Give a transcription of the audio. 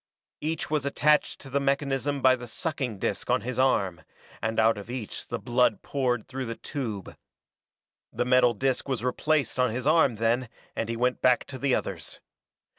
Each was attached to the mechanism by the sucking disk on his arm, and out of each the blood poured through the tube. The metal disk was replaced on his arm then and he went back to the others.